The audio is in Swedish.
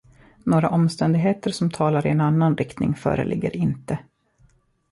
Några omständigheter som talar i en annan riktning föreligger inte.